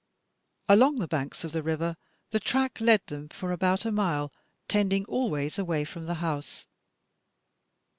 Along the banks of the river the track led them for about a mile, tending always away from the house.